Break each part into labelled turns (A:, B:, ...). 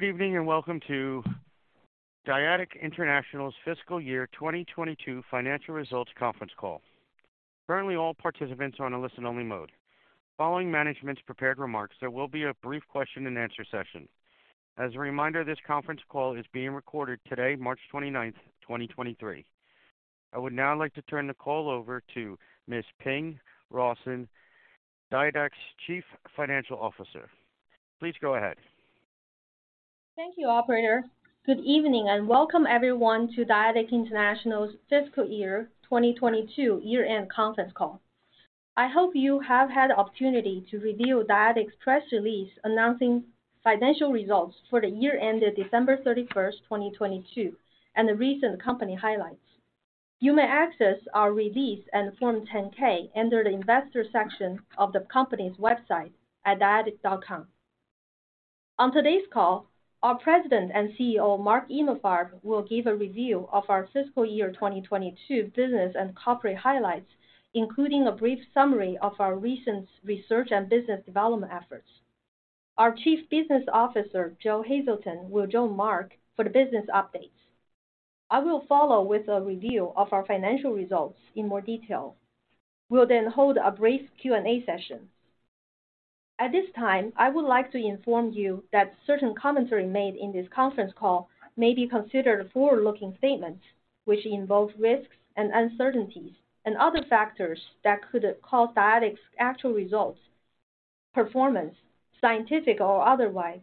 A: Good evening. Welcome to Dyadic International's Fiscal Year 2022 Financial Results Conference Call. Currently, all participants are on a listen-only mode. Following management's prepared remarks, there will be a brief question-and-answer session. As a reminder, this conference call is being recorded today, March 29, 2023. I would now like to turn the call over to Ms. Ping Rawson, Dyadic's chief financial officer. Please go ahead.
B: Thank you, operator. Good evening. Welcome everyone to Dyadic International's Fiscal Year 2022 year-end conference call. I hope you have had the opportunity to review Dyadic's press release announcing financial results for the year ended December 31st, 2022. The recent company highlights. You may access our release and Form 10-K under the investor section of the company's website at dyadic.com. On today's call, our President and CEO, Mark Emalfarb, will give a review of our fiscal year 2022 business and corporate highlights, including a brief summary of our recent research and business development efforts. Our Chief Business Officer, Joe Hazelton, will join Mark for the business updates. I will follow with a review of our financial results in more detail. We'll then hold a brief Q&A session. At this time, I would like to inform you that certain commentary made in this conference call may be considered forward-looking statements which involve risks and uncertainties and other factors that could cause Dyadic's actual results, performance, scientific or otherwise,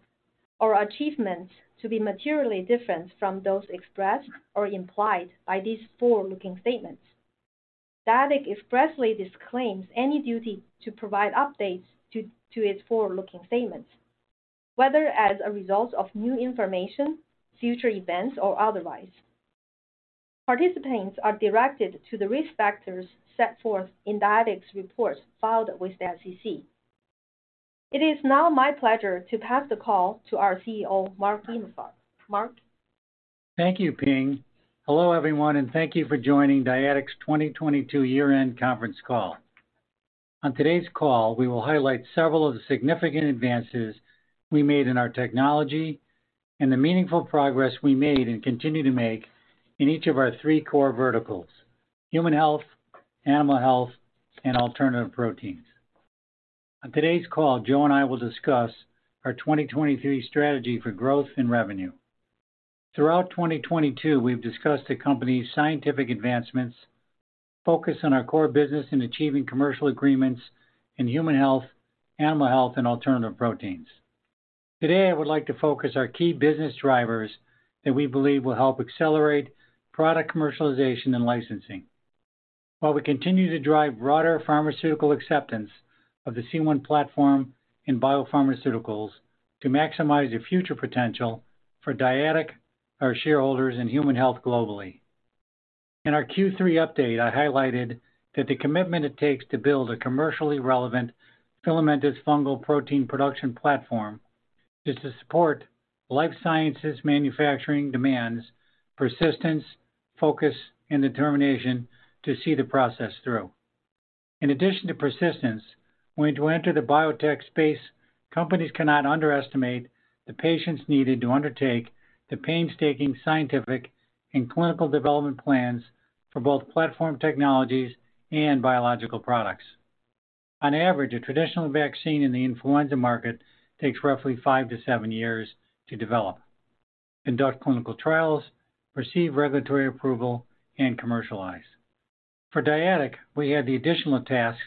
B: or achievements to be materially different from those expressed or implied by these forward-looking statements. Dyadic expressly disclaims any duty to provide updates to its forward-looking statements, whether as a result of new information, future events, or otherwise. Participants are directed to the risk factors set forth in Dyadic's reports filed with the SEC. It is now my pleasure to pass the call to our CEO, Mark Emalfarb. Mark?
C: Thank you, Ping. Hello, everyone, thank you for joining Dyadic's 2022 year-end conference call. On today's call, we will highlight several of the significant advances we made in our technology and the meaningful progress we made and continue to make in each of our three core verticals: human health, animal health, and alternative proteins. On today's call, Joe and I will discuss our 2023 strategy for growth and revenue. Throughout 2022, we've discussed the company's scientific advancements, focus on our core business in achieving commercial agreements in human health, animal health, and alternative proteins. Today, I would like to focus our key business drivers that we believe will help accelerate product commercialization and licensing, while we continue to drive broader pharmaceutical acceptance of the C1 platform in biopharmaceuticals to maximize the future potential for Dyadic, our shareholders, and human health globally. In our Q3 update, I highlighted that the commitment it takes to build a commercially relevant filamentous fungal protein production platform is to support life sciences manufacturing demands, persistence, focus, and determination to see the process through. In addition to persistence, when to enter the biotech space, companies cannot underestimate the patience needed to undertake the painstaking scientific and clinical development plans for both platform technologies and biological products. On average, a traditional vaccine in the influenza market takes roughly five to seven years to develop, conduct clinical trials, receive regulatory approval, and commercialize. For Dyadic, we had the additional task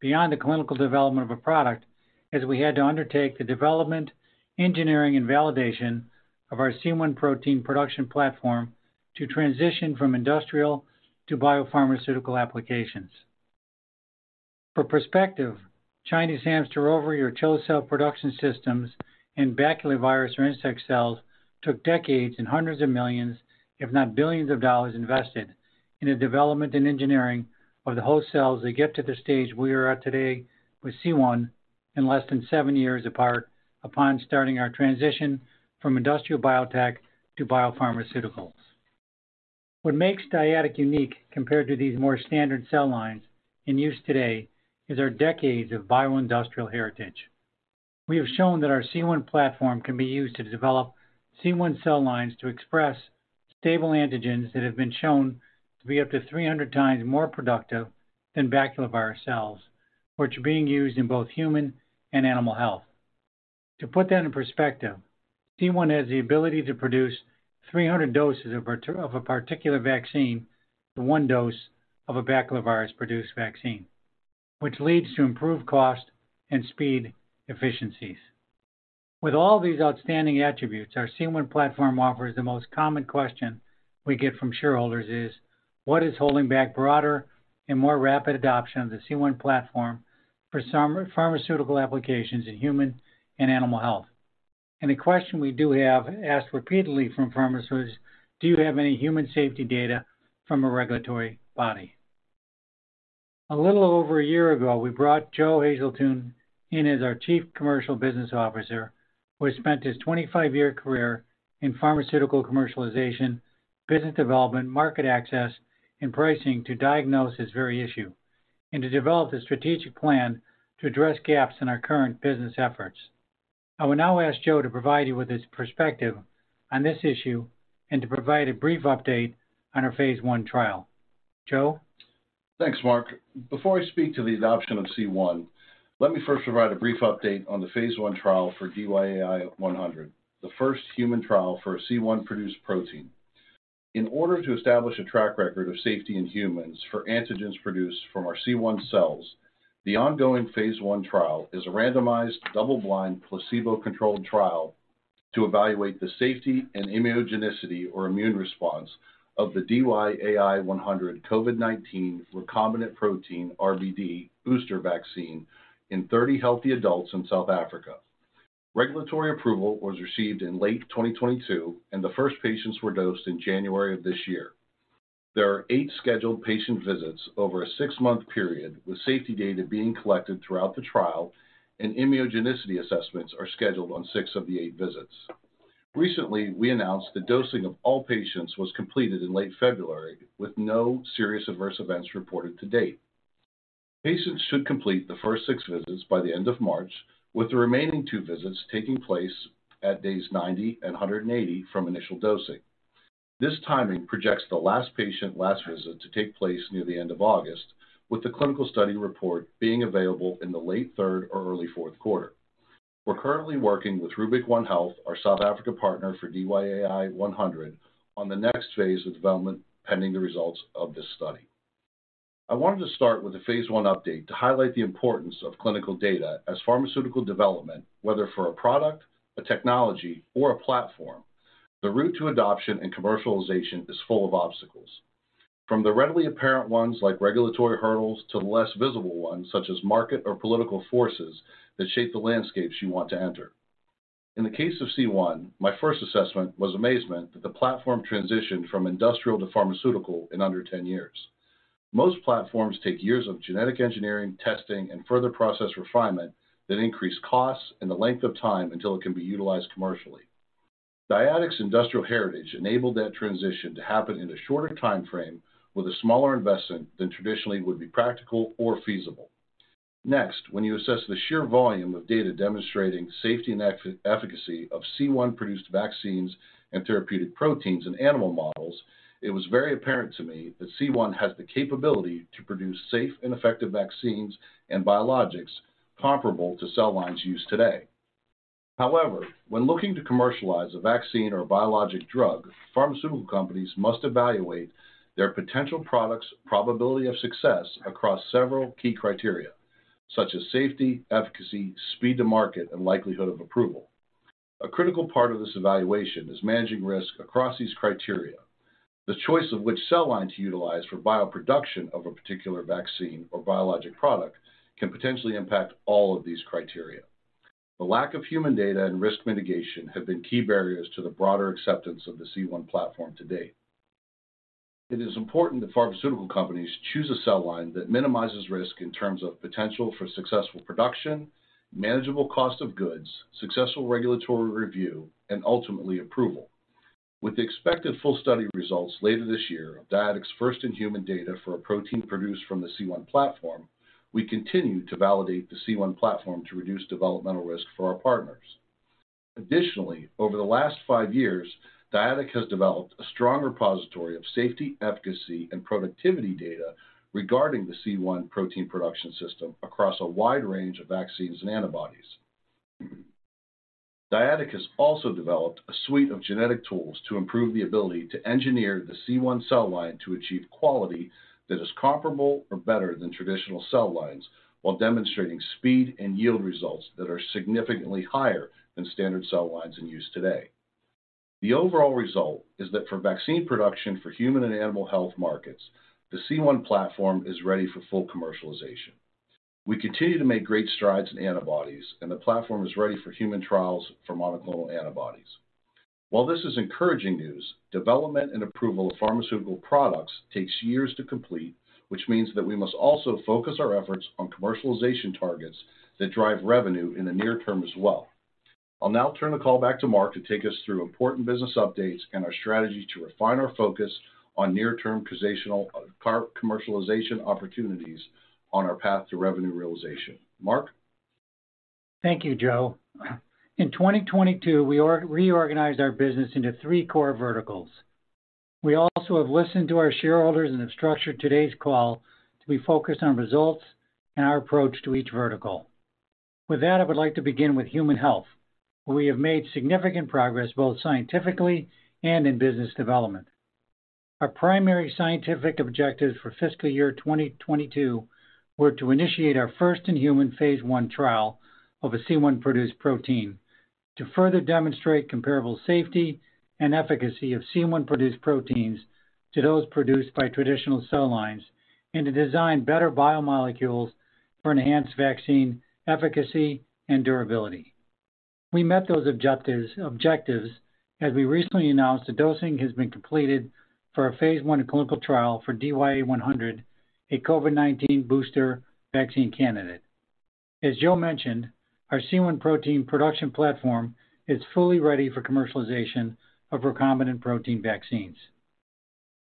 C: beyond the clinical development of a product, as we had to undertake the development, engineering, and validation of our C1 protein production platform to transition from industrial to Biopharmaceutical applications. For perspective, Chinese Hamster Ovary or CHO cell production systems and baculovirus or insect cells took decades and $hundreds of millions, if not $billions invested in the development and engineering of the host cells to get to the stage we are at today with C1 in less than seven years apart upon starting our transition from industrial biotech to biopharmaceuticals. What makes Dyadic unique compared to these more standard cell lines in use today is our decades of Bioindustrial heritage. We have shown that our C1 platform can be used to develop C1 cell lines to express stable antigens that have been shown to be up to 300 times more productive than baculovirus cells, which are being used in both human and animal health. To put that in perspective, C1 has the ability to produce 300 doses of a particular vaccine to 1 dose of a baculovirus-produced vaccine, which leads to improved cost and speed efficiencies. With all these outstanding attributes our C1 platform offers, the most common question we get from shareholders is: What is holding back broader and more rapid adoption of the C1 platform for some pharmaceutical applications in human and animal health? A question we do have asked repeatedly from pharmacies: Do you have any human safety data from a regulatory body? A little over a year ago, we brought Joe Hazelton in as our Chief Commercial Business Officer, who has spent his 25-year career in pharmaceutical commercialization, business development, market access, and pricing to diagnose this very issue. To develop a strategic plan to address gaps in our current business efforts. I will now ask Joe to provide you with his perspective on this issue and to provide a brief update on our phase one trial. Joe?
D: Thanks, Mark. Before I speak to the adoption of C1, let me first provide a brief update on the phase I trial for DYAI-100, the first human trial for a C1-produced protein. In order to establish a track record of safety in humans for antigens produced from our C1 cells, the ongoing phase I trial is a randomized, double-blind, placebo-controlled trial to evaluate the safety and immunogenicity or immune response of the DYAI-100 COVID-19 recombinant protein RBD booster vaccine in 30 healthy adults in South Africa. Regulatory approval was received in late 2022, and the first patients were dosed in January of this year. There are eight scheduled patient visits over a six-month period, with safety data being collected throughout the trial and immunogenicity assessments are scheduled on six of the eight visits. Recently, we announced the dosing of all patients was completed in late February, with no serious adverse events reported to date. Patients should complete the first six visits by the end of March, with the remaining two visits taking place at 90 days and 180 days from initial dosing. This timing projects the last patient last visit to take place near the end of August, with the clinical study report being available in the late third or early fourth quarter. We're currently working with Rubic One Health, our South African partner for DYAI-100, on the next phase of development pending the results of this study. I wanted to start with the phase I update to highlight the importance of clinical data as pharmaceutical development, whether for a product, a technology, or a platform. The route to adoption and commercialization is full of obstacles, from the readily apparent ones like regulatory hurdles to the less visible ones such as market or political forces that shape the landscapes you want to enter. In the case of C1, my first assessment was amazement that the platform transitioned from industrial to pharmaceutical in under 10 years. Most platforms take years of genetic engineering, testing, and further process refinement that increase costs and the length of time until it can be utilized commercially. Dyadic's industrial heritage enabled that transition to happen in a shorter timeframe with a smaller investment than traditionally would be practical or feasible. Next, when you assess the sheer volume of data demonstrating safety and efficacy of C1-produced vaccines and therapeutic proteins in animal models, it was very apparent to me that C1 has the capability to produce safe and effective vaccines and biologics comparable to cell lines used today. However, when looking to commercialize a vaccine or biologic drug, pharmaceutical companies must evaluate their potential product's probability of success across several key criteria, such as safety, efficacy, speed to market, and likelihood of approval. A critical part of this evaluation is managing risk across these criteria. The choice of which cell line to utilize for bioproduction of a particular vaccine or biologic product can potentially impact all of these criteria. The lack of human data and risk mitigation have been key barriers to the broader acceptance of the C1 platform to date. It is important that pharmaceutical companies choose a cell line that minimizes risk in terms of potential for successful production, manageable cost of goods, successful regulatory review, and ultimately, approval. With the expected full study results later this year of Dyadic's first in human data for a protein produced from the C1 platform, we continue to validate the C1 platform to reduce developmental risk for our partners. Additionally, over the last five years, Dyadic has developed a strong repository of safety, efficacy, and productivity data regarding the C1 protein production system across a wide range of vaccines and antibodies. Dyadic has also developed a suite of genetic tools to improve the ability to engineer the C1 cell line to achieve quality that is comparable or better than traditional cell lines while demonstrating speed and yield results that are significantly higher than standard cell lines in use today. The overall result is that for vaccine production for human and animal health markets, the C1 platform is ready for full commercialization. We continue to make great strides in antibodies. The platform is ready for human trials for monoclonal antibodies. While this is encouraging news, development and approval of pharmaceutical products takes years to complete, which means that we must also focus our efforts on commercialization targets that drive revenue in the near term as well. I'll now turn the call back to Mark to take us through important business updates and our strategy to refine our focus on near-term commercialization opportunities on our path to revenue realization. Mark?
C: Thank you, Joe. In 2022, we reorganized our business into three core verticals. We also have listened to our shareholders and have structured today's call to be focused on results and our approach to each vertical. With that, I would like to begin with human health. We have made significant progress, both scientifically and in business development. Our primary scientific objectives for fiscal year 2022 were to initiate our first in-human phase I trial of a C1-produced protein to further demonstrate comparable safety and efficacy of C1-produced proteins to those produced by traditional cell lines and to design better biomolecules for enhanced vaccine efficacy and durability. We met those objectives as we recently announced the dosing has been completed for our phase I clinical trial for DYAI-100, a COVID-19 booster vaccine candidate. As Joe mentioned, our C1 protein production platform is fully ready for commercialization of recombinant protein vaccines.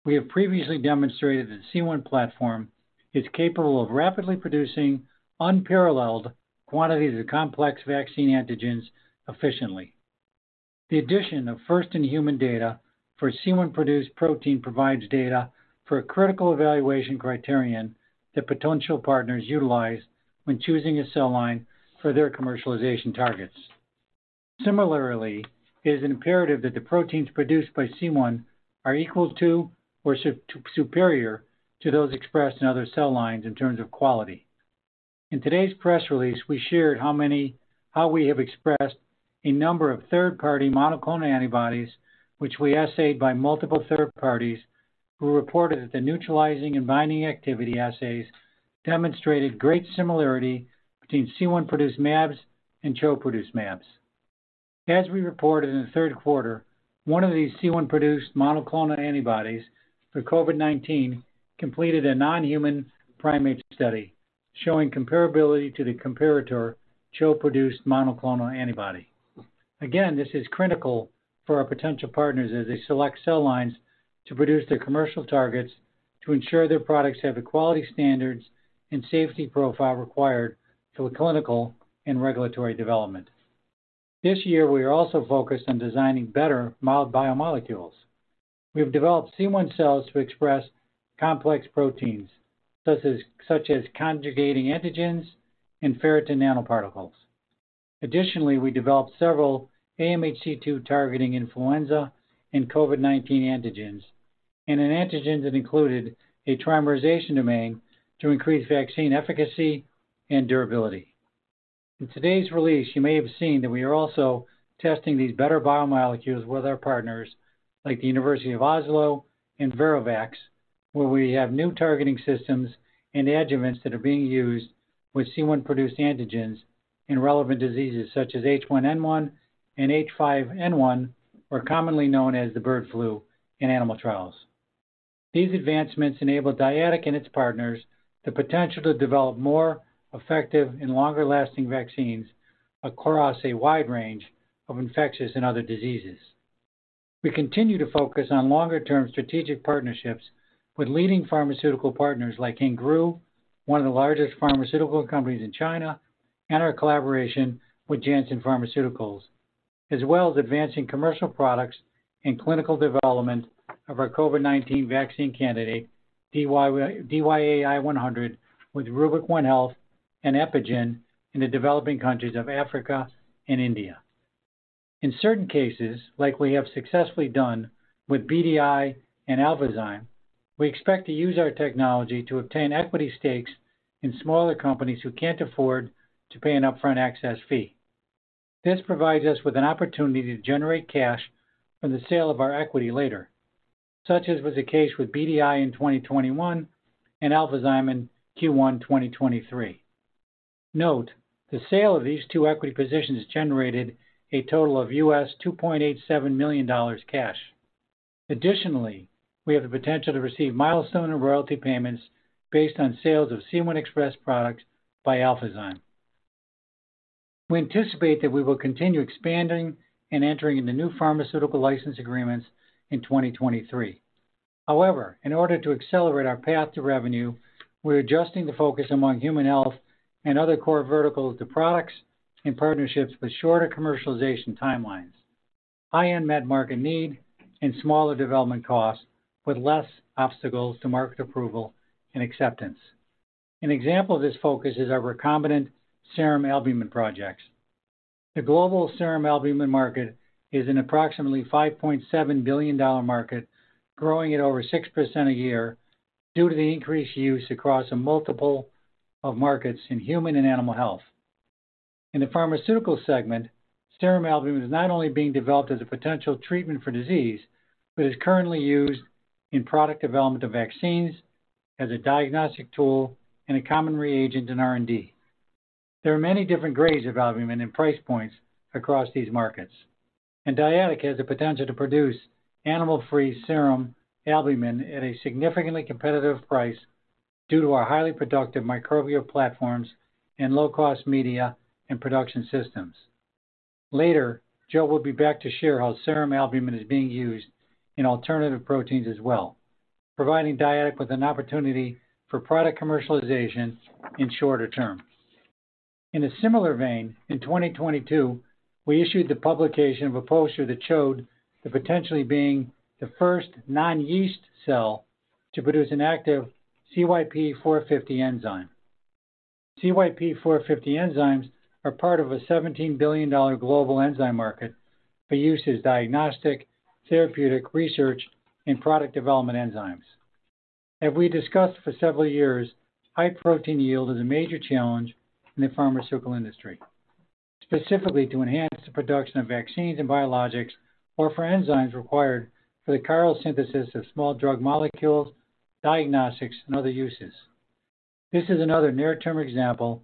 C: We have previously demonstrated that C1 platform is capable of rapidly producing unparalleled quantities of complex vaccine antigens efficiently. The addition of first-in-human data for C1-produced protein provides data for a critical evaluation criterion that potential partners utilize when choosing a cell line for their commercialization targets. Similarly, it is imperative that the proteins produced by C1 are equal to or superior to those expressed in other cell lines in terms of quality. In today's press release, we shared how we have expressed a number of third-party monoclonal antibodies which we assayed by multiple third parties who reported that the neutralizing and binding activity assays demonstrated great similarity between C1-produced mAbs and CHO-produced mAbs. As we reported in the third quarter, one of these C1-produced monoclonal antibodies for COVID-19 completed a non-human primate study showing comparability to the comparator CHO-produced monoclonal antibody. Again, this is critical for our potential partners as they select cell lines to produce their commercial targets to ensure their products have the quality standards and safety profile required for clinical and regulatory development. This year, we are also focused on designing better mild biomolecules. We have developed C1 cells to express complex proteins, such as conjugating antigens and ferritin nanoparticles. Additionally, we developed several MHC II targeting influenza and COVID-19 antigens, and an antigen that included a trimerization domain to increase vaccine efficacy and durability. In today's release, you may have seen that we are also testing these better biomolecules with our partners like the University of Oslo and ViroVax, where we have new targeting systems and adjuvants that are being used with C1-produced antigens in relevant diseases such as H1N1 and H5N1, or commonly known as the bird flu, in animal trials. These advancements enable Dyadic and its partners the potential to develop more effective and longer-lasting vaccines across a wide range of infectious and other diseases. We continue to focus on longer-term strategic partnerships with leading pharmaceutical partners like Ingru, one of the largest pharmaceutical companies in China, and our collaboration with Janssen Pharmaceuticals, as well as advancing commercial products and clinical development of our COVID-19 vaccine candidate, DYAI-100, with Rubic One Health and Epigen in the developing countries of Africa and India. In certain cases, like we have successfully done with BDI and Alphazyme, we expect to use our technology to obtain equity stakes in smaller companies who can't afford to pay an upfront access fee. This provides us with an opportunity to generate cash from the sale of our equity later, such as was the case with BDI in 2021 and Alphazyme in Q1 2023. Note, the sale of these two equity positions generated a total of $2.87 million cash. Additionally, we have the potential to receive milestone and royalty payments based on sales of C1 Express products by Alphazyme. We anticipate that we will continue expanding and entering into new pharmaceutical license agreements in 2023. In order to accelerate our path to revenue, we're adjusting the focus among human health and other core verticals to products in partnerships with shorter commercialization timelines, high unmet market need, and smaller development costs with less obstacles to market approval and acceptance. An example of this focus is our recombinant serum albumin projects. The global serum albumin market is an approximately $5.7 billion market growing at over 6% a year due to the increased use across a multiple of markets in human and animal health. In the pharmaceutical segment, serum albumin is not only being developed as a potential treatment for disease, but is currently used in product development of vaccines as a diagnostic tool and a common reagent in R&D. There are many different grades of albumin and price points across these markets, and Dyadic has the potential to produce animal-free serum albumin at a significantly competitive price due to our highly productive microbial platforms and low-cost media and production systems. Later, Joe will be back to share how serum albumin is being used in alternative proteins as well, providing Dyadic with an opportunity for product commercialization in shorter term. In a similar vein, in 2022, we issued the publication of a poster that showed the potentially being the first non-yeast cell to produce an active CYP450 enzyme. CYP450 enzymes are part of a $17 billion global enzyme market for use as diagnostic, therapeutic, research, and product development enzymes. As we discussed for several years, high protein yield is a major challenge in the pharmaceutical industry, specifically to enhance the production of vaccines and biologics or for enzymes required for the chiral synthesis of small drug molecules, diagnostics, and other uses. This is another near-term example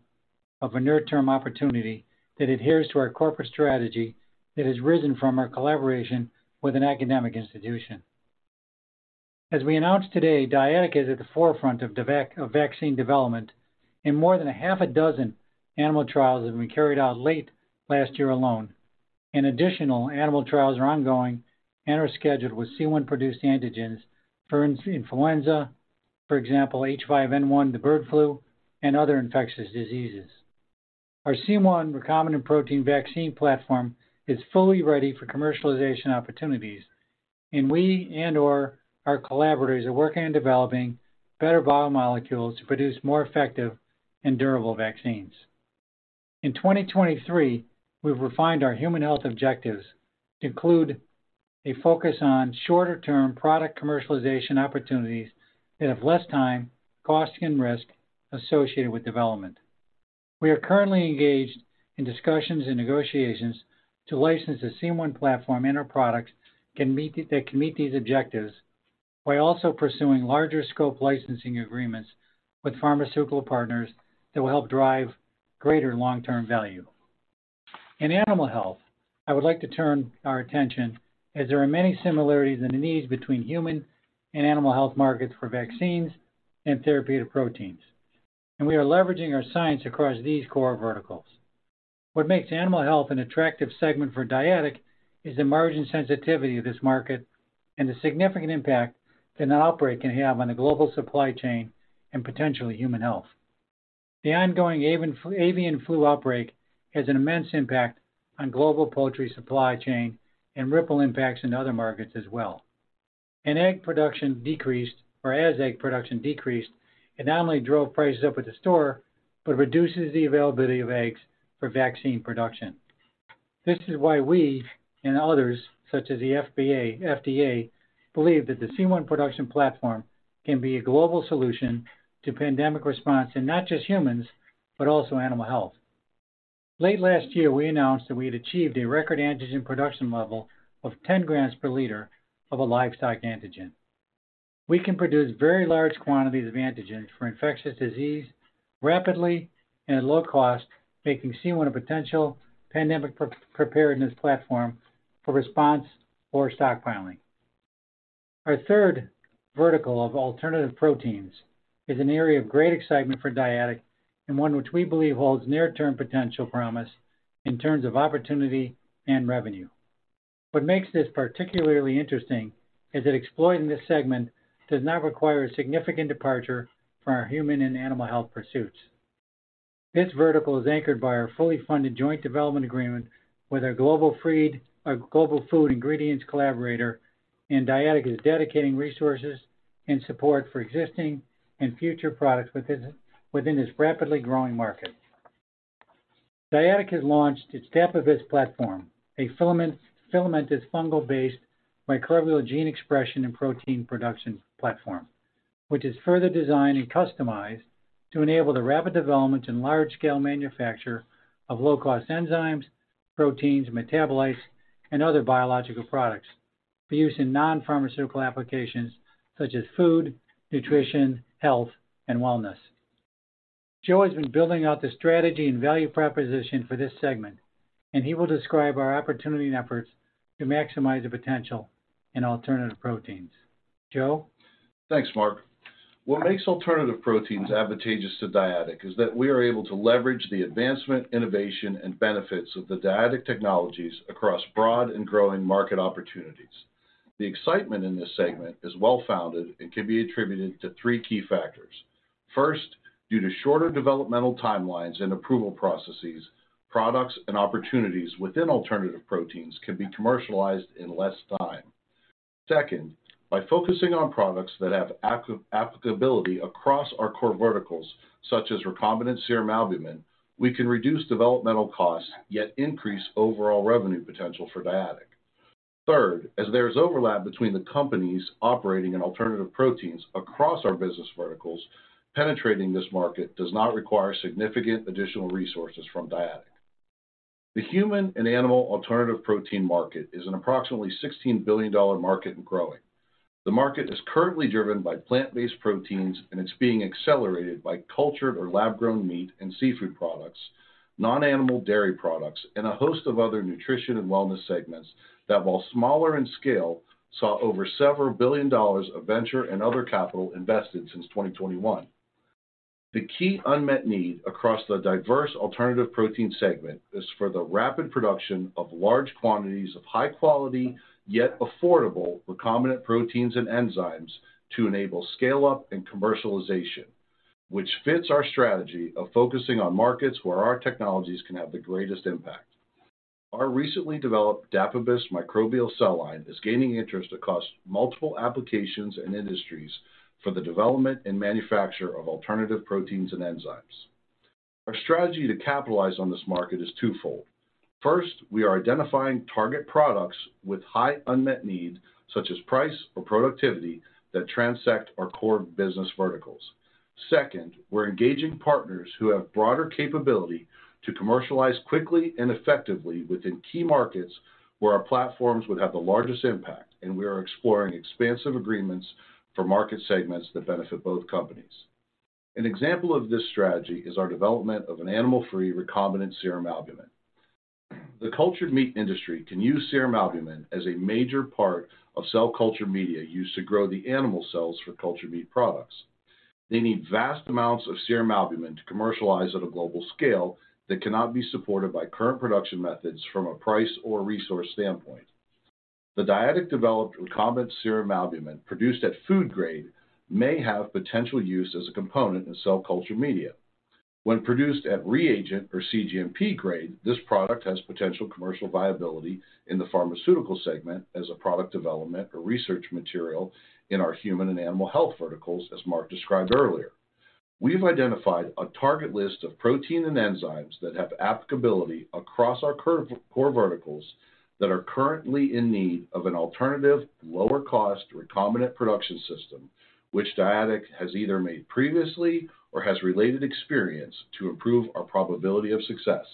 C: of a near-term opportunity that adheres to our corporate strategy that has risen from our collaboration with an academic institution. As we announced today, Dyadic is at the forefront of vaccine development in more than a half a dozen animal trials that we carried out late last year alone. Additional animal trials are ongoing and are scheduled with C1 produced antigens for influenza, for example, H5N1, the bird flu, and other infectious diseases. Our C1 recombinant protein vaccine platform is fully ready for commercialization opportunities, and Dyadic and/or our collaborators are working on developing better biomolecules to produce more effective and durable vaccines. In 2023, we've refined our human health objectives to include a focus on shorter term product commercialization opportunities that have less time, cost, and risk associated with development. We are currently engaged in discussions and negotiations to license the C1 platform and our products that can meet these objectives by also pursuing larger scope licensing agreements with pharmaceutical partners that will help drive greater long-term value. In animal health, I would like to turn our attention as there are many similarities in the needs between human and animal health markets for vaccines and therapeutic proteins, and we are leveraging our science across these core verticals. What makes animal health an attractive segment for Dyadic is the margin sensitivity of this market and the significant impact an outbreak can have on the global supply chain and potentially human health. The ongoing avian flu outbreak has an immense impact on global poultry supply chain and ripple impacts in other markets as well. As egg production decreased, it not only drove prices up at the store, but reduces the availability of eggs for vaccine production. This is why we and others, such as the FDA, believe that the C1 production platform can be a global solution to pandemic response in not just humans, but also animal health. Late last year, we announced that we had achieved a record antigen production level of 10 grams per liter of a livestock antigen. We can produce very large quantities of antigens for infectious disease rapidly and at low cost, making C1 a potential pandemic preparedness platform for response or stockpiling. Our third vertical of alternative proteins is an area of great excitement for Dyadic and one which we believe holds near-term potential promise in terms of opportunity and revenue. What makes this particularly interesting is that exploiting this segment does not require a significant departure from our human and animal health pursuits. This vertical is anchored by our fully funded joint development agreement with our global food ingredients collaborator, Dyadic is dedicating resources and support for existing and future products within this rapidly growing market. Dyadic has launched its Dapibus platform, filamentous fungal-based microbial gene expression and protein production platform, which is further designed and customized to enable the rapid development and large-scale manufacture of low-cost enzymes, proteins, metabolites and other biological products for use in non-pharmaceutical applications such as food, nutrition, health and wellness. Joe has been building out the strategy and value proposition for this segment. He will describe our opportunity and efforts to maximize the potential in alternative proteins. Joe?
D: Thanks, Mark. What makes alternative proteins advantageous to Dyadic is that we are able to leverage the advancement, innovation, and benefits of the Dyadic technologies across broad and growing market opportunities. The excitement in this segment is well founded and can be attributed to three key factors. First, due to shorter developmental timelines and approval processes, products and opportunities within alternative proteins can be commercialized in less time. Second, by focusing on products that have applicability across our core verticals, such as recombinant serum albumin, we can reduce developmental costs, yet increase overall revenue potential for Dyadic. Third, as there is overlap between the companies operating in alternative proteins across our business verticals, penetrating this market does not require significant additional resources from Dyadic. The human and animal alternative protein market is an approximately $16 billion market and growing. The market is currently driven by plant-based proteins, and it's being accelerated by cultured or lab-grown meat and seafood products, non-animal dairy products, and a host of other nutrition and wellness segments that, while smaller in scale, saw over $ several billion of venture and other capital invested since 2021. The key unmet need across the diverse alternative protein segment is for the rapid production of large quantities of high quality, yet affordable recombinant proteins and enzymes to enable scale up and commercialization, which fits our strategy of focusing on markets where our technologies can have the greatest impact. Our recently developed Dapibus microbial cell line is gaining interest across multiple applications and industries for the development and manufacture of alternative proteins and enzymes. Our strategy to capitalize on this market is twofold. First, we are identifying target products with high unmet need, such as price or productivity, that transect our core business verticals. Second, we're engaging partners who have broader capability to commercialize quickly and effectively within key markets where our platforms would have the largest impact, and we are exploring expansive agreements for market segments that benefit both companies. An example of this strategy is our development of an animal-free recombinant serum albumin. The cultured meat industry can use serum albumin as a major part of cell culture media used to grow the animal cells for cultured meat products. They need vast amounts of serum albumin to commercialize at a global scale that cannot be supported by current production methods from a price or resource standpoint. The Dyadic developed recombinant serum albumin produced at food grade may have potential use as a component in cell culture media. When produced at reagent or cGMP grade, this product has potential commercial viability in the pharmaceutical segment as a product development or research material in our human and animal health verticals, as Mark described earlier. We have identified a target list of protein and enzymes that have applicability across our core verticals that are currently in need of an alternative lower cost recombinant production system, which Dyadic has either made previously or has related experience to improve our probability of success.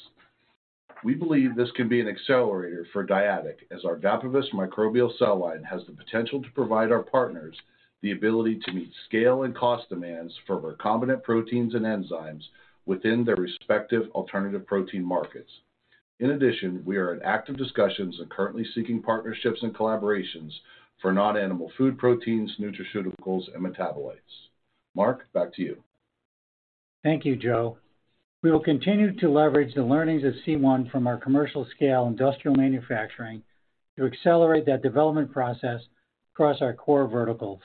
D: We believe this can be an accelerator for Dyadic as our Dapibus microbial cell line has the potential to provide our partners the ability to meet scale and cost demands for recombinant proteins and enzymes within their respective alternative protein markets. We are in active discussions and currently seeking partnerships and collaborations for non-animal food proteins, nutraceuticals, and metabolites. Mark, back to you.
C: Thank you, Joe. We will continue to leverage the learnings of C1 from our commercial scale industrial manufacturing to accelerate that development process across our core verticals.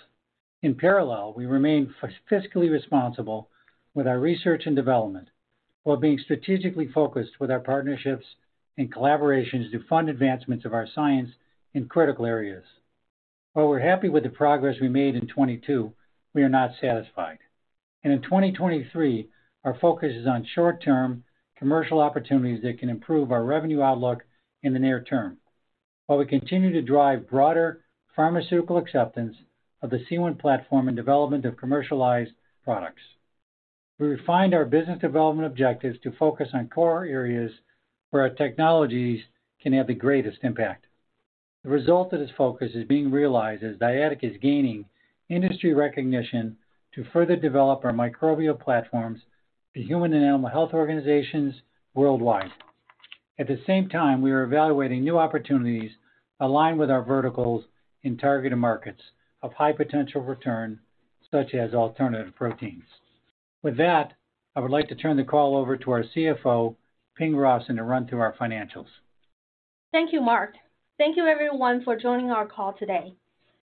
C: In parallel, we remain fiscally responsible with our research and development while being strategically focused with our partnerships and collaborations to fund advancements of our science in critical areas. While we're happy with the progress we made in 2022, we are not satisfied. In 2023, our focus is on short-term commercial opportunities that can improve our revenue outlook in the near term while we continue to drive broader pharmaceutical acceptance of the C1 platform and development of commercialized products. We refined our business development objectives to focus on core areas where our technologies can have the greatest impact. The result of this focus is being realized as Dyadic is gaining industry recognition to further develop our microbial platforms to human and animal health organizations worldwide. At the same time, we are evaluating new opportunities aligned with our verticals in targeted markets of high potential return, such as alternative proteins. With that, I would like to turn the call over to our CFO, Ping Rawson, and to run through our financials.
B: Thank you, Mark. Thank you everyone for joining our call today.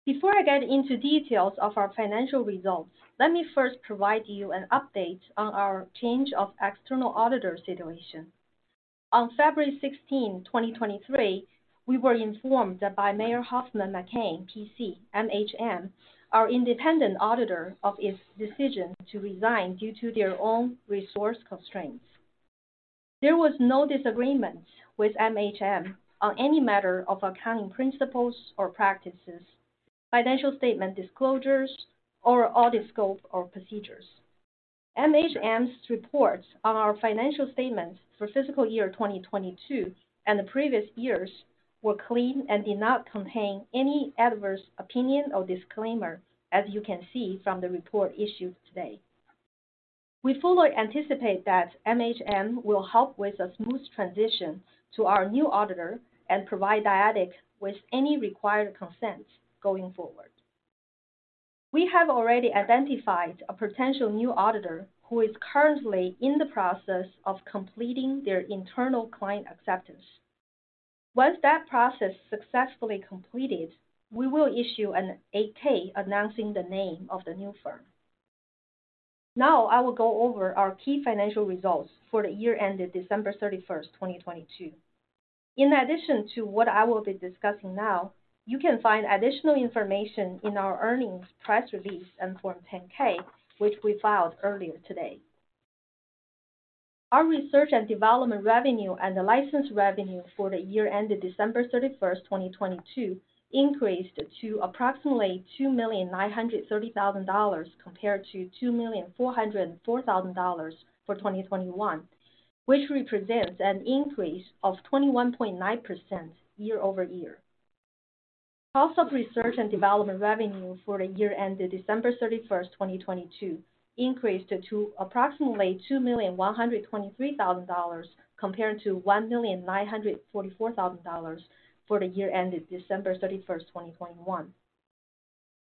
B: Before I get into details of our financial results, let me first provide you an update on our change of external auditor situation. On February 16th, 2023, we were informed that by Mayer Hoffman McCann P.C., MHM, our independent auditor of its decision to resign due to their own resource constraints. There was no disagreement with MHM on any matter of accounting principles or practices, financial statement disclosures or audit scope or procedures. MHM's reports on our financial statements for fiscal year 2022 and the previous years were clean and did not contain any adverse opinion or disclaimer, as you can see from the report issued today. We fully anticipate that MHM will help with a smooth transition to our new auditor and provide Dyadic with any required consent going forward. We have already identified a potential new auditor who is currently in the process of completing their internal client acceptance. Once that process successfully completed, we will issue an 8-K announcing the name of the new firm. I will go over our key financial results for the year ended December 31st, 2022. In addition to what I will be discussing now, you can find additional information in our earnings press release and Form 10-K, which we filed earlier today. Our research and development revenue and the license revenue for the year ended December 31st, 2022 increased to approximately $2,930,000 compared to $2,404,000 for 2021, which represents an increase of 21.9% year-over-year. Cost of research and development revenue for the year ended December 31st, 2022 increased to approximately $2,123,000 compared to $1,944,000 for the year ended December 31st, 2021.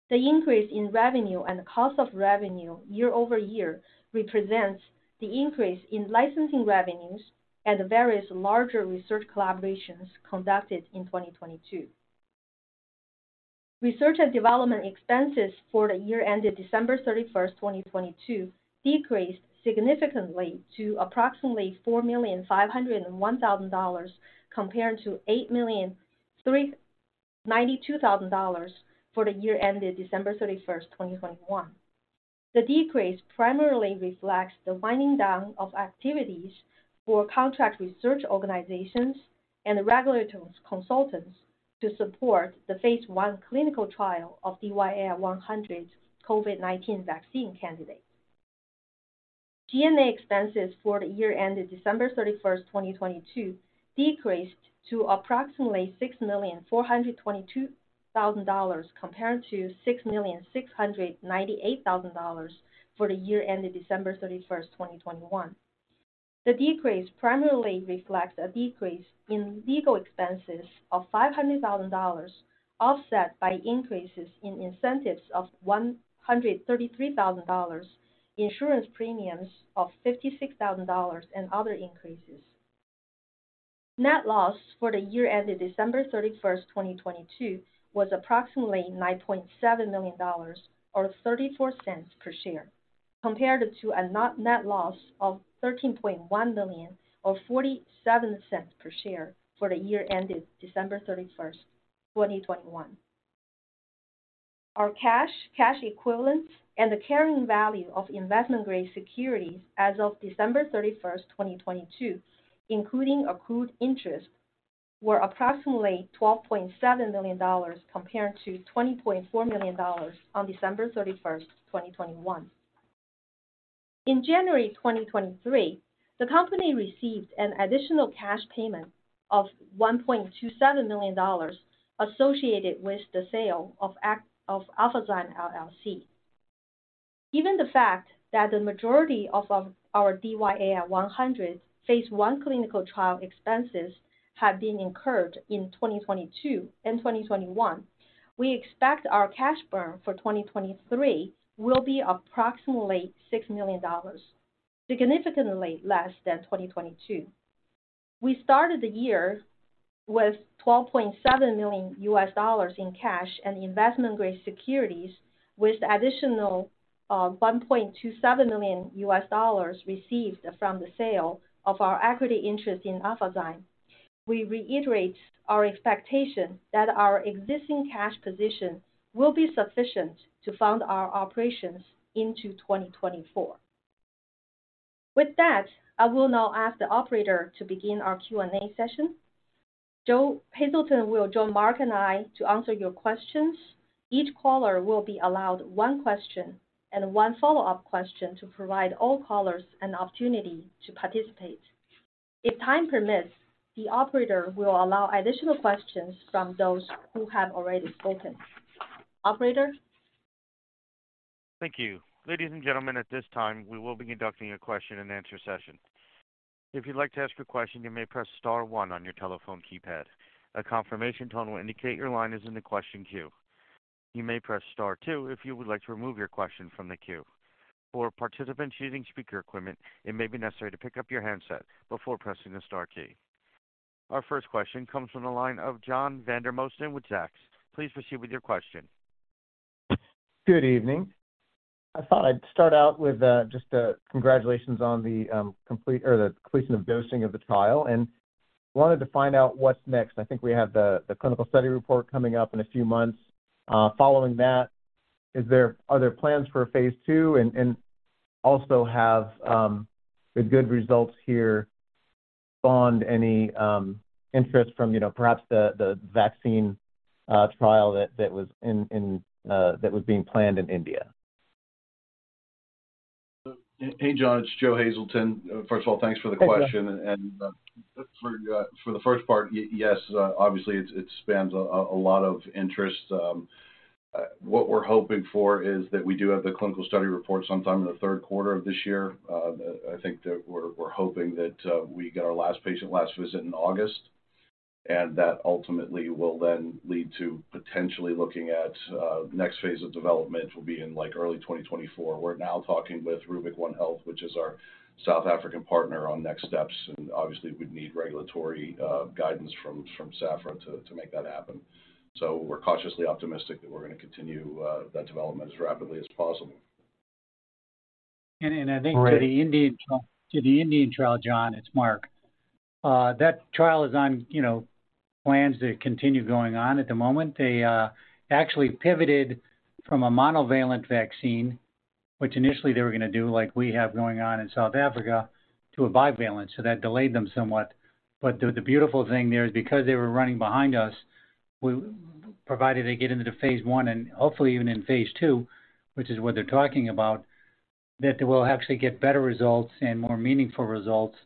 B: The increase in revenue and cost of revenue year-over-year represents the increase in licensing revenues at various larger research collaborations conducted in 2022. Research and development expenses for the year ended December 31st, 2022 decreased significantly to approximately $4,501,000 compared to $8,092,000 for the year ended December 31st, 2021. The decrease primarily reflects the winding down of activities for contract research organizations and regulatory consultants to support the phase I clinical trial of DYAI-100 COVID-19 vaccine candidate. G&A expenses for the year ended December 31st, 2022 decreased to approximately $6,422,000 compared to $6,698,000 for the year ended December 31st, 2021. The decrease primarily reflects a decrease in legal expenses of $500,000, offset by increases in incentives of $133,000, insurance premiums of $56,000, and other increases. Net loss for the year ended December 31st, 2022 was approximately $9.7 million, or $0.34 per share, compared to a not net loss of $13.1 million, or $0.47 per share for the year ended December 31st, 2021. Our cash equivalents, and the carrying value of investment-grade securities as of December 31st, 2022, including accrued interest, were approximately $12.7 million compared to $20.4 million on December 31st, 2021. In January 2023, the company received an additional cash payment of $1.27 million associated with the sale of Alphazyme LLC. Given the fact that the majority of our DYAI-100 phase I clinical trial expenses have been incurred in 2022 and 2021, we expect our cash burn for 2023 will be approximately $6 million, significantly less than 2022. We started the year with $12.7 million in cash and investment-grade securities with additional $1.27 million received from the sale of our equity interest in Alphazyme. We reiterate our expectation that our existing cash position will be sufficient to fund our operations into 2024. With that, I will now ask the operator to begin our Q&A session. Joe Hazelton will join Mark and I to answer your questions. Each caller will be allowed one question and one follow-up question to provide all callers an opportunity to participate. If time permits, the operator will allow additional questions from those who have already spoken. Operator?
A: Thank you. Ladies and gentlemen, at this time, we will be conducting a question and answer session. If you'd like to ask a question, you may press star one on your telephone keypad. A confirmation tone will indicate your line is in the question queue. You may press star two if you would like to remove your question from the queue. For participants using speaker equipment, it may be necessary to pick up your handset before pressing the star key. Our first question comes from the line of John Vandermosten with Zacks. Please proceed with your question.
E: Good evening. I thought I'd start out with, just, congratulations on the completion of dosing of the trial. Wanted to find out what's next. I think we have the clinical study report coming up in a few months. Following that, are there plans for a phase two and also have the good results here spawned any interest from, you know, perhaps the vaccine trial that was being planned in India?
D: Hey, John, it's Joe Hazelton. First of all, thanks for the question.
E: Thanks, Joe.
D: For the first part, yes, obviously it spans a lot of interest. What we're hoping for is that we do have the clinical study report sometime in the third quarter of this year. I think that we're hoping that we get our last patient, last visit in August, and that ultimately will then lead to potentially looking at next phase of development will be in like early 2024. We're now talking with Rubic One Health, which is our South African partner, on next steps, and obviously we'd need regulatory guidance from SAHPRA to make that happen. We're cautiously optimistic that we're gonna continue that development as rapidly as possible.
C: And, and I think-
E: Great...
C: to the Indian trial, John, it's Mark. That trial is on, you know, plans to continue going on at the moment. They actually pivoted from a monovalent vaccine, which initially they were gonna do like we have going on in South Africa, to a bivalent, so that delayed them somewhat. The beautiful thing there is because they were running behind us, provided they get into the phase I and hopefully even in phase 2, which is what they're talking about, that they will actually get better results and more meaningful results.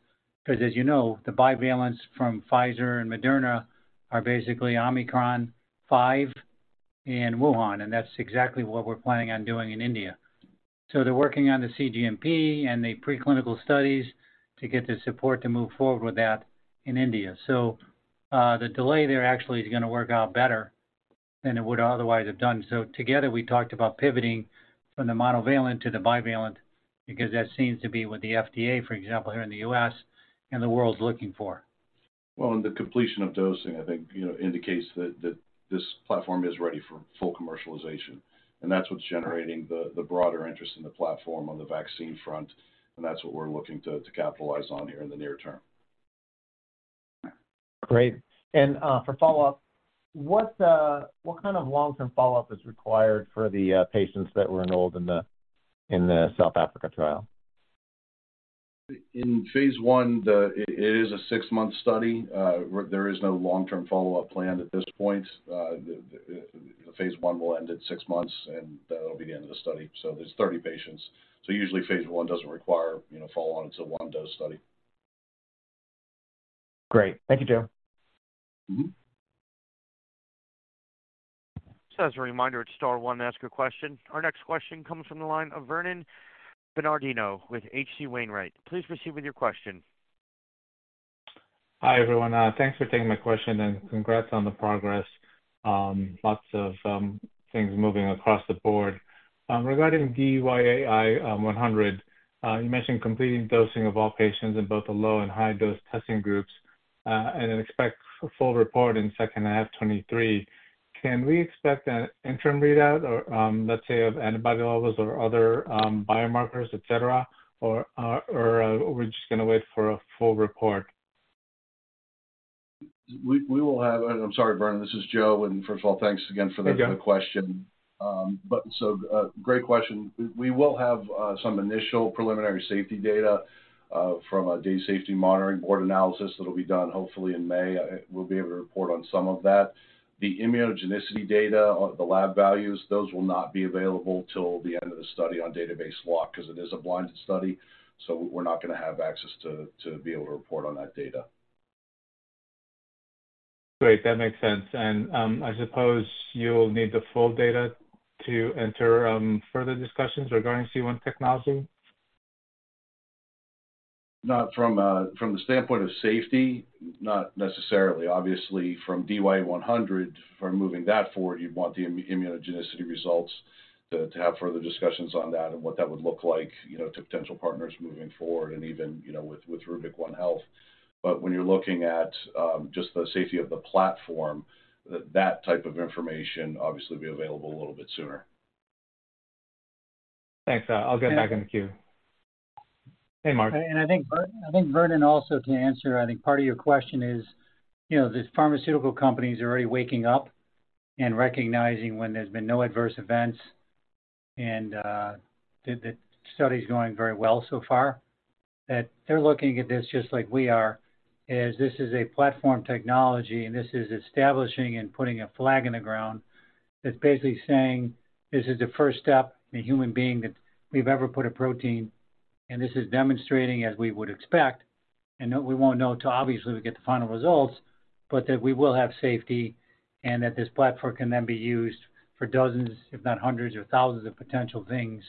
C: 'Cause as you know, the bivalents from Pfizer and Moderna are basically Omicron 5 and Wuhan, and that's exactly what we're planning on doing in India. They're working on the cGMP and the preclinical studies to get the support to move forward with that in India. The delay there actually is gonna work out better than it would otherwise have done. Together, we talked about pivoting from the monovalent to the bivalent because that seems to be what the FDA, for example, here in the US and the world's looking for.
D: Well, the completion of dosing, I think, you know, indicates that this platform is ready for full commercialization, and that's what's generating the broader interest in the platform on the vaccine front, and that's what we're looking to capitalize on here in the near term.
E: Great. For follow-up, what kind of long-term follow-up is required for the patients that were enrolled in the South Africa trial?
D: In phase I, It is a six-month study. There is no long-term follow-up planned at this point. The phase I will end at 6 months, and that'll be the end of the study. There's 30 patients. Usually phase I doesn't require, you know, follow-on. It's a one-dose study.
E: Great. Thank you, Joe.
D: Mm-hmm.
A: Just as a reminder, it's star one to ask a question. Our next question comes from the line of Vernon Bernardino with H.C. Wainwright. Please proceed with your question.
F: Hi, everyone. Thanks for taking my question and congrats on the progress. Lots of things moving across the board. Regarding DYAI-100, you mentioned completing dosing of all patients in both the low and high dose testing groups, and then expect full report in second half 2023. Can we expect an interim readout or, let's say, of antibody levels or other biomarkers, et cetera, or are we just gonna wait for a full report?
D: We will have. I'm sorry, Vernon, this is Joe. First of all, thanks again for.
F: Hey, Joe....
D: the question. Great question. We, we will have some initial preliminary safety data from a Data Safety Monitoring Board analysis that'll be done hopefully in May. We'll be able to report on some of that. The immunogenicity data or the lab values, those will not be available till the end of the study on database lock 'cause it is a blinded study, so we're not gonna have access to be able to report on that data.
F: Great. That makes sense. I suppose you'll need the full data to enter, further discussions regarding C1 technology?
D: Not from the standpoint of safety, not necessarily. Obviously from DYAI-100, for moving that forward, you'd want the immunogenicity results to have further discussions on that and what that would look like, you know, to potential partners moving forward and even, you know, with Rubic One Health. But when you're looking at, just the safety of the platform, that type of information obviously will be available a little bit sooner.
F: Thanks. I'll get back in the queue. Hey, Mark.
C: I think Vernon also, to answer, I think part of your question is, you know, these pharmaceutical companies are already waking up and recognizing when there's been no adverse events and the study's going very well so far, that they're looking at this just like we are, as this is a platform technology, and this is establishing and putting a flag in the ground. It's basically saying this is the first step in a human being that we've ever put a protein, and this is demonstrating, as we would expect, we won't know till obviously we get the final results, but that we will have safety and that this platform can then be used for dozens, if not hundreds or thousands of potential things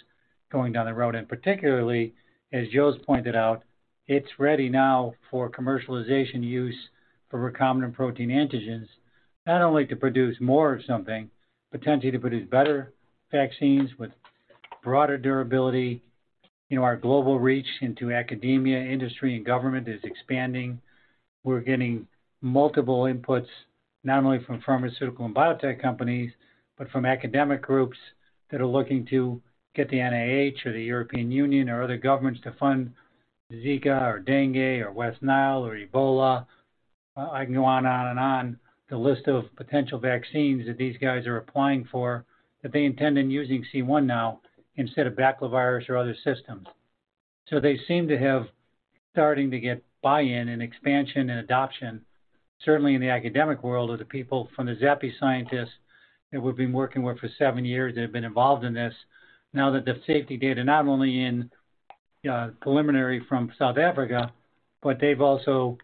C: going down the road. Particularly, as Joe's pointed out, it's ready now for commercialization use for recombinant protein antigens, not only to produce more of something, but potentially to produce better vaccines with broader durability. You know, our global reach into academia, industry, and government is expanding. We're getting multiple inputs, not only from pharmaceutical and biotech companies, but from academic groups that are looking to get the NIH or the European Union or other governments to fund Zika or dengue or West Nile or Ebola. I can go on and on and on. The list of potential vaccines that these guys are applying for, that they intend on using C1 now instead of baculovirus or other systems. They seem to have starting to get buy-in and expansion and adoption, certainly in the academic world of the people from the ZAPI scientists that we've been working with for seven years, that have been involved in this. Now that the safety data, not only in preliminary from South Africa, but they've also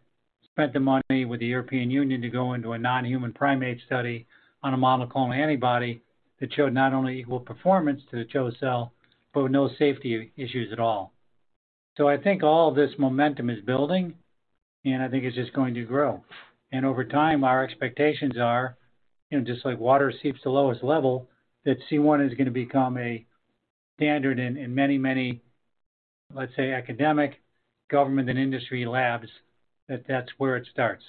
C: spent the money with the European Union to go into a non-human primate study on a monoclonal antibody that showed not only equal performance to the CHO cell, but with no safety issues at all. I think all this momentum is building, and I think it's just going to grow. Over time, our expectations are, you know, just like water seeps to the lowest level, that C1 is gonna become a standard in many, many, let's say, academic, government, and industry labs, that that's where it starts.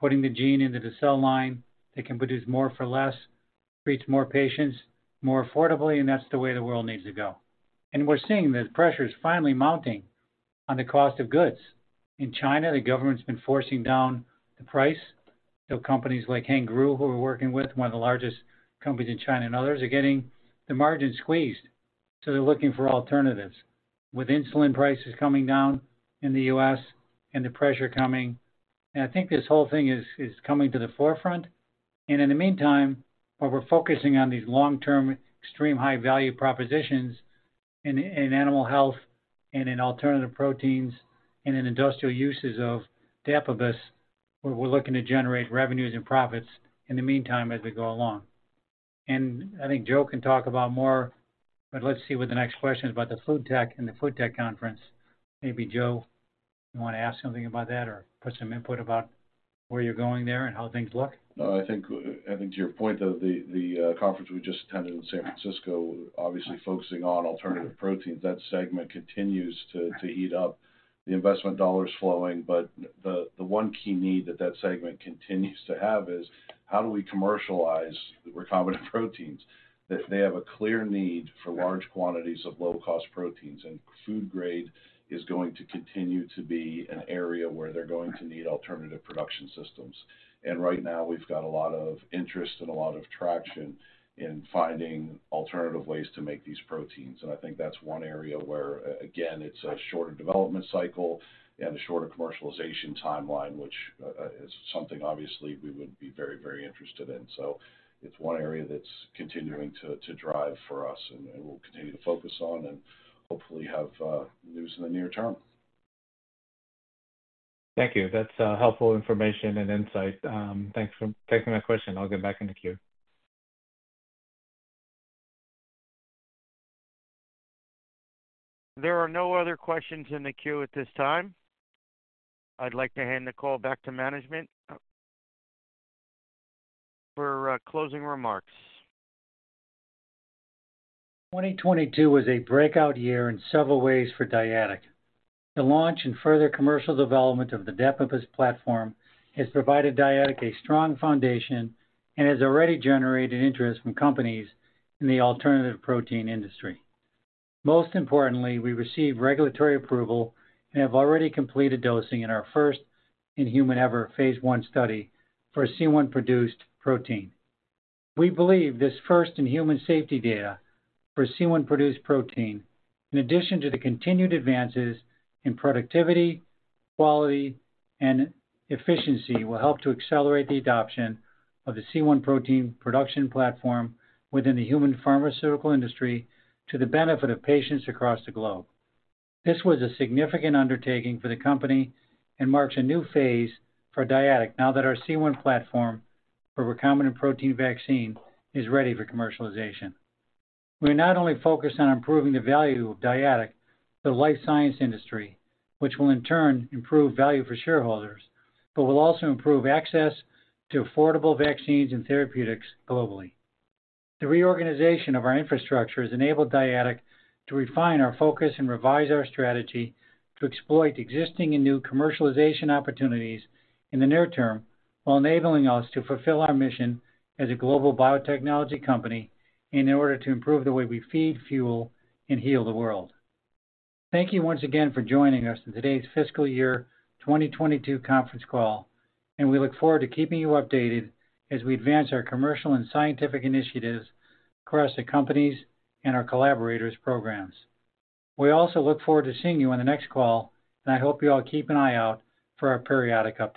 C: Putting the gene into the cell line that can produce more for less, treat more patients more affordably, that's the way the world needs to go. We're seeing that pressure is finally mounting on the cost of goods. In China, the government's been forcing down the price. Companies like Hengrui, who we're working with, one of the largest companies in China and others, are getting their margins squeezed, so they're looking for alternatives. With insulin prices coming down in the U.S. and the pressure coming, and I think this whole thing is coming to the forefront. In the meantime, while we're focusing on these long-term extreme high-value propositions in animal health and in alternative proteins and in industrial uses of Dapibus, we're looking to generate revenues and profits in the meantime as we go along. I think Joe can talk about more, but let's see what the next question is about the food tech and the food tech conference. Maybe Joe, you wanna add something about that or put some input about where you're going there and how things look?
D: No, I think to your point, though, the conference we just attended in San Francisco obviously focusing on alternative proteins, that segment continues to heat up. The investment dollar is flowing, but the one key need that that segment continues to have is how do we commercialize the recombinant proteins? They have a clear need for large quantities of low-cost proteins, and food grade is going to continue to be an area where they're going to need alternative production systems. Right now, we've got a lot of interest and a lot of traction in finding alternative ways to make these proteins. I think that's one area where again, it's a shorter development cycle and a shorter commercialization timeline, which is something obviously we would be very, very interested in. It's one area that's continuing to drive for us and we'll continue to focus on and hopefully have news in the near term.
F: Thank you. That's helpful information and insight. Thanks for taking my question. I'll get back in the queue.
A: There are no other questions in the queue at this time. I'd like to hand the call back to management for closing remarks.
C: 2022 was a breakout year in several ways for Dyadic. The launch and further commercial development of the Dapibus platform has provided Dyadic a strong foundation and has already generated interest from companies in the alternative protein industry. Most importantly, we received regulatory approval and have already completed dosing in our first in-human ever phase I study for a C1-produced protein. We believe this first in-human safety data for C1-produced protein, in addition to the continued advances in productivity, quality, and efficiency, will help to accelerate the adoption of the C1 protein production platform within the human pharmaceutical industry to the benefit of patients across the globe. This was a significant undertaking for the company and marks a new phase for Dyadic now that our C1 platform for recombinant protein vaccine is ready for commercialization. We're not only focused on improving the value of Dyadic, the life science industry, which will in turn improve value for shareholders, but will also improve access to affordable vaccines and therapeutics globally. The reorganization of our infrastructure has enabled Dyadic to refine our focus and revise our strategy to exploit existing and new commercialization opportunities in the near term, while enabling us to fulfill our mission as a global biotechnology company in order to improve the way we feed, fuel, and heal the world. Thank you once again for joining us in today's fiscal year 2022 conference call, and we look forward to keeping you updated as we advance our commercial and scientific initiatives across the company's and our collaborators programs. We also look forward to seeing you on the next call, and I hope you all keep an eye out for our periodic updates.